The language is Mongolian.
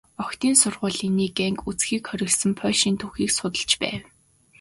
Охидын сургуулийн нэг анги үзэхийг хориглосон польшийн түүхийг судалж байв.